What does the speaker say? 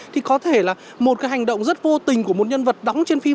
thì có thể là một cái hành động rất vô tình của một nhân vật đóng trên phim